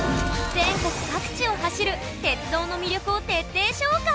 全国各地を走る鉄道の魅力を徹底紹介！